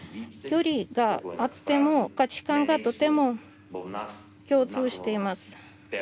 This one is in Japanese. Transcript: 距離があっても価値観がとても共通しています。